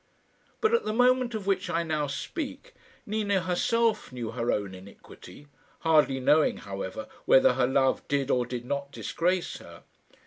But at the moment of which I now speak, Nina herself knew her own iniquity, hardly knowing, however, whether her love did or did not disgrace her.